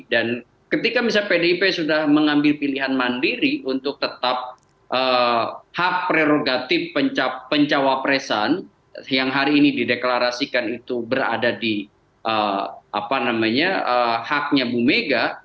dan ketika misalnya pdip sudah mengambil pilihan mandiri untuk tetap hak prerogatif pencawapresan yang hari ini dideklarasikan itu berada di haknya bumega